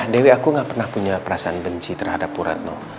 dewi aku gak pernah punya perasaan benci terhadap bu retno